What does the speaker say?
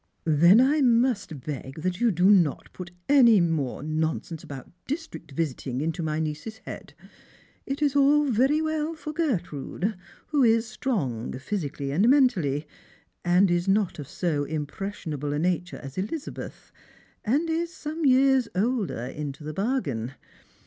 " Then I must beg that you do not put any more nonsense about district visiting into my niece's head. It is all very well for Gertrude, who is strong, physically and mentally, and is not of so impressionable a nature as Elizabeth, and is some years older, into the bargain.